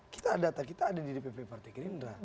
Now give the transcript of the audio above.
kita data kita ada di dpp partai gerindra